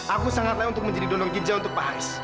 aku sangat layak untuk menjadi donor ginjal untuk pak hais